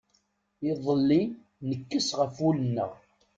Iḍelli nekkes ɣef wul-nneɣ.